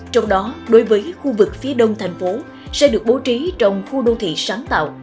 trong đó đối với khu vực phía đông thành phố sẽ được bố trí trong khu đô thị sáng tạo